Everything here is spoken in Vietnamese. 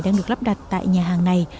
đang được lắp đặt tại nhà hàng này